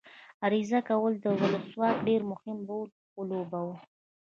عریضه کول تر ولسواکۍ ډېر مهم رول ولوباوه.